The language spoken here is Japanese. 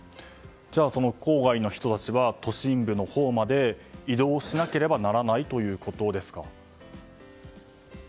じゃあ、郊外の人たちは都心部のほうまで移動しなければならないということですか。